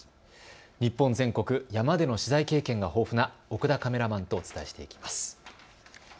日本全国、山での取材経験が豊富な奥田カメラマンとお伝えします。